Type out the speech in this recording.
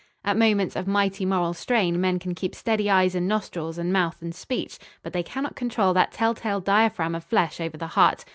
At moments of mighty moral strain men can keep steady eyes and nostrils and mouth and speech; but they cannot control that tell tale diaphragm of flesh over the heart.